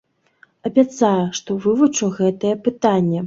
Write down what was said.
Абяцаю, што вывучу гэтае пытанне.